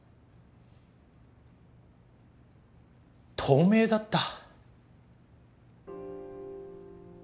透明だった。